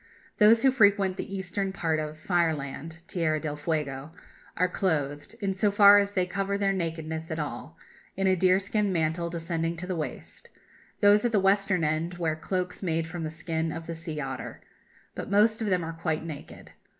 Those who frequent the Eastern part of "Fireland" (Tierra del Fuego) are clothed, in so far as they cover their nakedness at all, in a deerskin mantle descending to the waist; those at the Western end wear cloaks made from the skin of the sea otter. But most of them are quite naked.